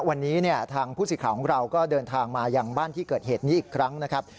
วันนี้ทางผู้สื่อข่าวของเราก็เดินทางมายังบ้านที่เกิดเหตุนี้อีกครั้งนะครับ